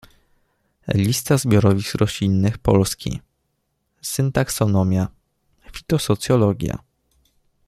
Lista zbiorowisk roślinnych Polski, syntaksonomia, fitosocjologia.